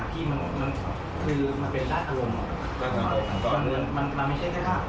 ที่มีคอ